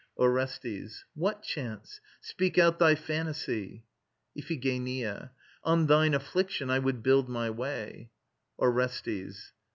ORESTES. What chance? Speak out thy fantasy. IPHIGENIA'. On thine affliction I would build my way. ORESTES.